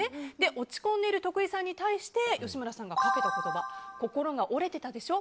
落ち込んでいる徳井さんに対して吉村さんがかけた言葉心が折れてたでしょ？